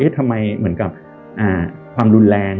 ทำไมเหมือนกับความรุนแรง